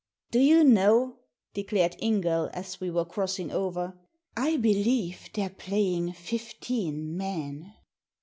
"Do you know," declared Ingall, as we were crossing over, " I believe they're playing fifteen men."